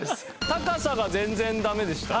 高さが全然ダメでしたね。